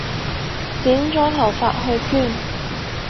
剪咗頭髮去捐